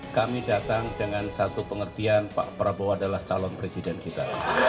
kami datang dengan satu pengertian pak prabowo adalah calon presiden kita